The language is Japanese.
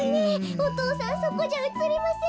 お父さんそこじゃうつりませんよ。